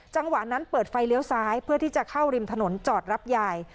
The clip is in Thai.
จังหวะนั้นเปิดไฟเลี้ยวซ้ายเพื่อที่จะเข้าริมถนนจอดรับยาย